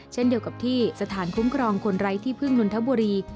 เช่นเดียวกับที่สถานคุ้มครองคนไร้ที่พึ่งนนทบุรี